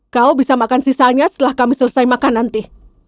kau bisa makan sisanya setelah kami selesai makan nanti